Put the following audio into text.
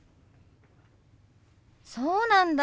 そうなんだ。